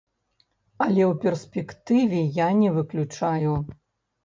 Але ў перспектыве я не выключаю.